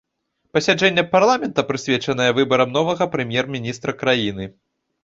Пасяджэнне парламента прысвечанае выбарам новага прэм'ер-міністра краіны.